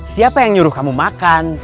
siapa yang nyuruh kamu makan